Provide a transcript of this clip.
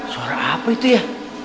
suara apa itu ya